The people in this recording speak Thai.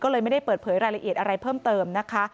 ก็เลยไม่ได้เปิดเผยรายละเอียดอะไรเพิ่มเติมนะคะ